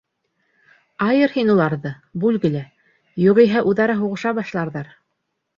Айыр һин уларҙы, бүлгелә, юғиһә үҙ-ара һуғыша башларҙар.